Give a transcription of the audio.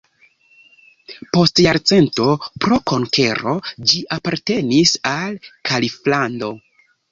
Post jarcento pro konkero ĝi apartenis al kaliflando.